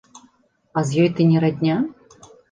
А з ёй ты не радня?